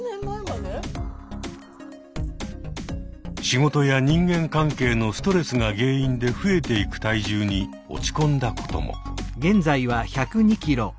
仕事や人間関係のストレスが原因で増えていく体重に落ち込んだことも。